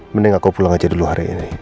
mending aku pulang aja dulu hari ini